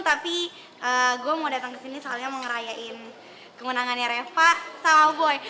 tapi gue mau datang ke sini soalnya mau ngerayain kemenangannya reva sama boy